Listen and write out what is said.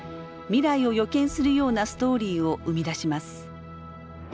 未来を予見するようなストーリーを生み出します。